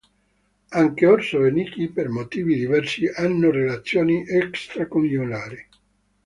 Anche Orso e Niki, per motivi diversi, hanno relazioni extraconiugali.